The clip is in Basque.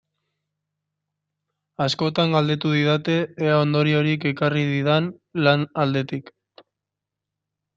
Askotan galdetu didate ea ondoriorik ekarri didan lan aldetik.